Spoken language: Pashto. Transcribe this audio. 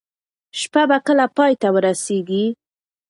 شپه به کله پای ته ورسیږي؟